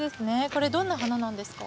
これ、どんな花なんですか。